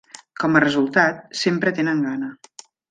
Com a resultat, sempre tenen gana.